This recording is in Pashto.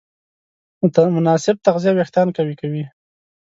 مناسب تغذیه وېښتيان قوي کوي.